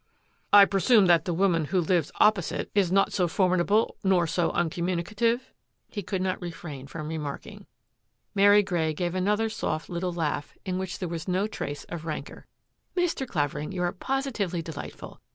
" I presume that the woman who lives opposite 166 THAT AFFAIR AT THE MANOR is not so formidable nor so uncommunicative," he could not refrain from remarking. Mary Grey gave another soft little laugh in which there was no trace of rancour. " Mr. Clavering, you are positively delightful